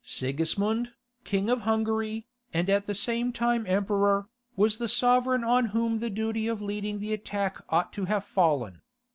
Sigismund, king of Hungary, and at the same time Emperor, was the sovereign on whom the duty of leading the attack ought to have fallen.